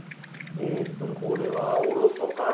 「えーっとこれは“おろそか”ですね」